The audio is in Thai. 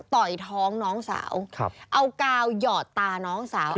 ต่อยท้องน้องสาวเอากาวหยอดตาน้องสาว